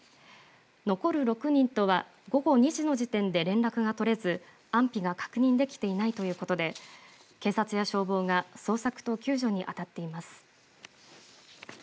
残る６人とは午後２時の時点で連絡が取れず安否が確認できていないということで警察や消防が捜索と救助にあたっています。